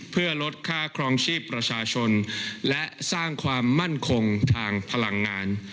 เพื่อลดค่าครองชีพประชาชนและสร้างความมั่นคงทางพลังงาน